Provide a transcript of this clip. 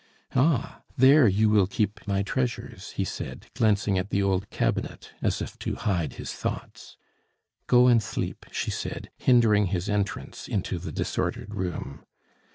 "Ah! there you will keep my treasures," he said, glancing at the old cabinet, as if to hide his thoughts. "Go and sleep," she said, hindering his entrance into the disordered room.